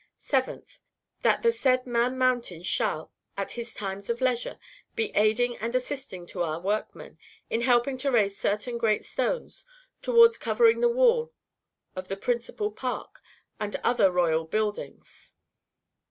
7th. That the said Man Mountain shall, at his times of leisure, be aiding and assisting to our workmen, in helping to raise certain great stones, towards covering the wall of the principal park, and other our royal buildings.